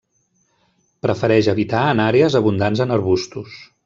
Prefereix habitar en àrees abundants en arbustos.